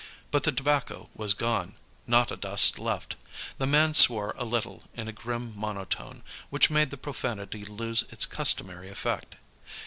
But the tobacco was gone; not a dust left. The man swore a little in a grim monotone, which made the profanity lose its customary effect.